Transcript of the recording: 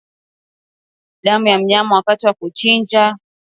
Homa ya bonde la ufa huwapata binadamu wakigusa damu ya mnyama wakati wa kuchinja